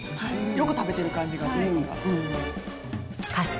よく食べてる感じがするから。